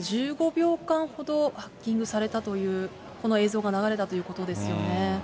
１５秒間ほどハッキングされたという、この映像が流れたということですよね。